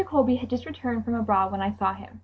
Colby had just returned from abroad when I saw him.